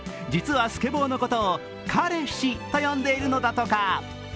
実はスケボーのことを彼氏と呼んでいるのだとか。